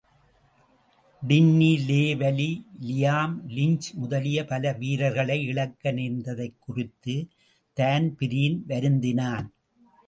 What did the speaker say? டின்னி லேவலி, Liam lynch முதலிய பல வீரர்களை இழக்க நேர்ந்ததைக் குறித்துத் தான்பிரீன் வருந்தினான்.